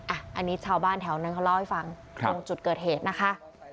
อันนี้ชาวบ้านแถวนั้นเขาเล่าให้ฟังตรงจุดเกิดเหตุนะคะ